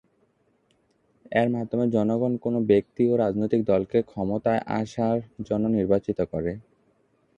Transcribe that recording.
এর মাধ্যমে জনগণ কোনো ব্যক্তি ও রাজনৈতিক দলকে ক্ষমতায় আসার জন্য নির্বাচিত করে।